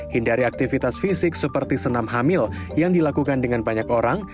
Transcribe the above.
hindari aktivitas fisik seperti senam hamil yang dilakukan dengan banyak orang